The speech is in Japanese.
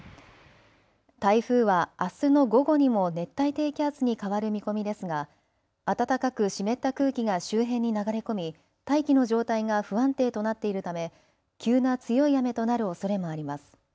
台風はあすの午後にも熱帯低気圧に変わる見込みですが暖かく湿った空気が周辺に流れ込み、大気の状態が不安定となっているため、急な強い雨となるおそれもあります。